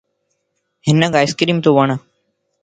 ھينک آئس ڪريم تووڻ